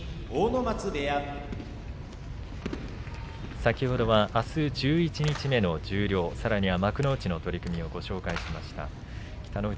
先ほどは、あす十一日目の十両以上の取組をご紹介しました。